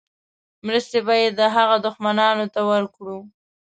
مرستې به یې د هغه دښمنانو ته ورکړو.